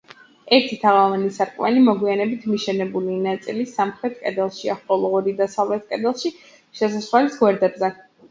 ერთი თაღოვანი სარკმელი მოგვიანებით მიშენებული ნაწილის სამხრეთ კედელშია, ხოლო ორი დასავლეთ კედელში, შესასვლელის გვერდებზე.